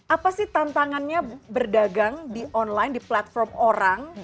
apa sih tantangannya berdagang di online di platform orang